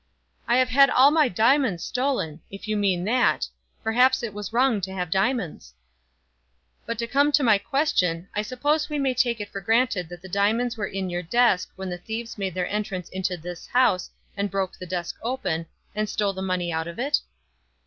"I have had all my diamonds stolen, if you mean that. Perhaps it was wrong to have diamonds." "But to come to my question, I suppose we may take it for granted that the diamonds were in your desk when the thieves made their entrance into this house, and broke the desk open, and stole the money out of it?"